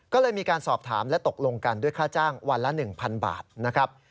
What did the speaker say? ก็เลยมีการสอบถามและตกลงกันด้วยค่าจ้างวันละ๑๐๐บาทนะครับ